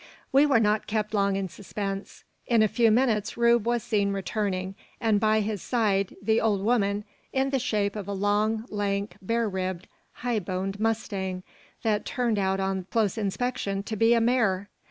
We were not kept long in suspense. In a few minutes Rube was seen returning, and by his side the "old 'oman," in the shape of a long, lank, bare ribbed, high boned mustang, that turned out on close inspection to be a mare!